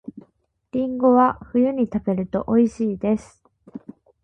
りんごは冬に食べると美味しいです